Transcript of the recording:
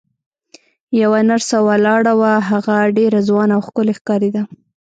یوه نرسه ولاړه وه، هغه ډېره ځوانه او ښکلې ښکارېده.